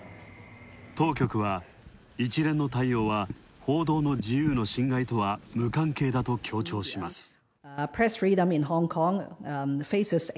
当局は一連の対応は報道の自由と無関係だと強調します。